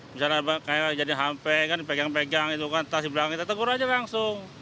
misalnya kayak jadi hmpe kan dipegang pegang itu kan tas di belakang kita tegur aja langsung